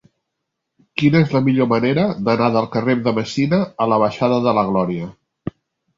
Quina és la millor manera d'anar del carrer de Messina a la baixada de la Glòria?